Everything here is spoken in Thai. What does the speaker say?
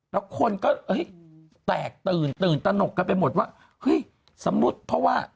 แล้วคนก็แตกตื่นตื่นตนกกันไปหมดว่าเฮ้ยสมมุติเพราะว่า